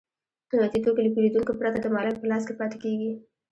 قیمتي توکي له پېرودونکو پرته د مالک په لاس کې پاتې کېږي